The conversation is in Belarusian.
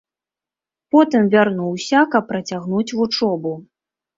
Потым вярнуўся, каб працягнуць вучобу.